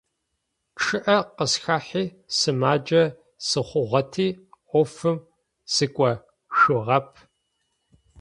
ЧъыӀэ къысхэхьи, сымаджэ сыхъугъэти Ӏофым сыкӀошъугъэп.